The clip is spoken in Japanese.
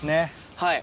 はい。